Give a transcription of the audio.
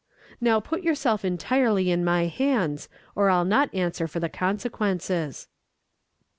Now put yourself entirely in my hands, or I'll not answer for the consequences."